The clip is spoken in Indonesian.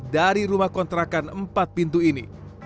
dari rumah kontrakan empat pintu ini